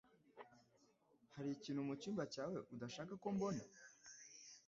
Hari ikintu mucyumba cyawe udashaka ko mbona?